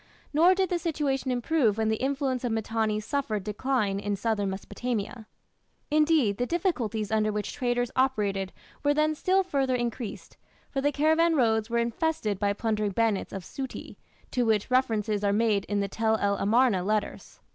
Nor did the situation improve when the influence of Mitanni suffered decline in southern Mesopotamia. Indeed the difficulties under which traders operated were then still further increased, for the caravan roads were infested by plundering bands of "Suti", to whom references are made in the Tell el Amarna letters.